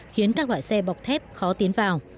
khiến các loại xe bọc thép khó tiến vào